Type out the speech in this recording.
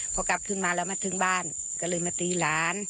พอกลับขึ้นมาแล้วมาถึงบ้านก็เลยมาตีหลาน